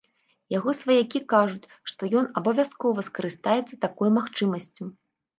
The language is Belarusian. Яго сваякі кажуць, што ён абавязкова скарыстаецца такой магчымасцю.